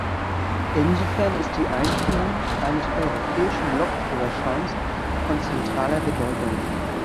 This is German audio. Insofern ist die Einführung eines europäischen Lokführerscheins von zentraler Bedeutung.